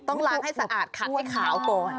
ต้องล้างให้สะอาดขัดให้ขาวก่อน